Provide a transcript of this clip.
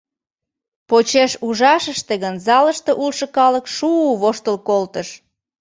Почеш ужашыште гын залыште улшо калык шу-у воштыл колтыш.